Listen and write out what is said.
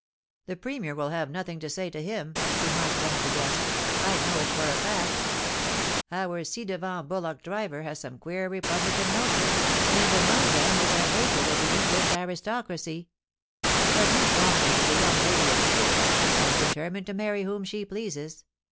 * The Premier will have nothing to say to him,' remarked one of the guests. I know it for a fact Our ci devant bullock driver has some queer republican notions, and among them is a hatred of the English aristocracy. But Miss Longleat is a young lady of spirit, and determined to marry whom she pleases.